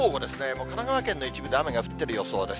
もう神奈川県の一部で雨が降ってる予想です。